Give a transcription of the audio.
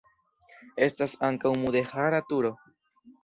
Estas ankaŭ mudeĥara turo.